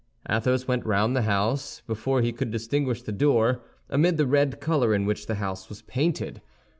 Athos went round the house before he could distinguish the door, amid the red color in which the house was painted.